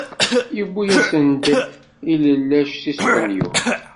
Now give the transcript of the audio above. Yewwi-asen-d ilellac seg Spenyul.